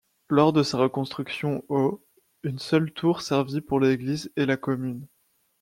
Lors de sa reconstruction au une seule tour servit pour l'église et la commune.